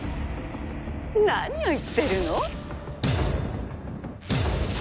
何を言ってるの？